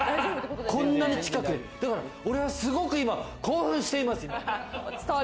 こんなに近くで俺はすごく今興奮しています。